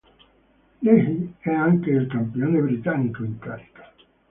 Leahy è anche il campione britannico in carica.